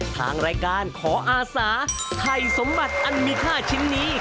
ทางรายการขออาสาถ่ายสมบัติอันมีค่าชิ้นนี้